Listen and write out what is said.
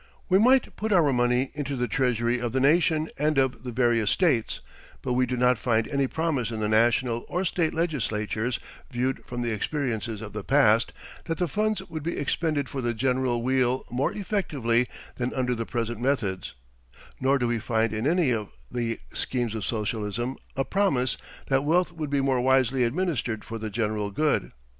We might put our money into the Treasury of the Nation and of the various states, but we do not find any promise in the National or state legislatures, viewed from the experiences of the past, that the funds would be expended for the general weal more effectively than under the present methods, nor do we find in any of the schemes of socialism a promise that wealth would be more wisely administered for the general good.